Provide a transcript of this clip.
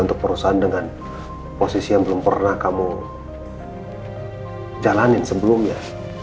untuk perusahaan dengan posisi yang belum pernah kamu jalanin sebelumnya